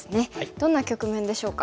どんな局面でしょうか。